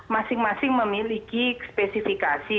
masing masing memiliki spesifikasi